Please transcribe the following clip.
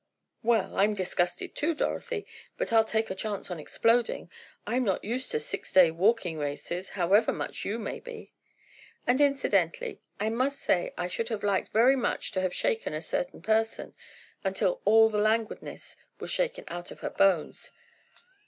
"Well, I'm disgusted too, Dorothy, but I'll take a chance on exploding, I'm not used to six day walking races, however much you may be. And incidentally, I must say I should have liked very much to have shaken a certain person until all the languidness was shaken out of her bones!"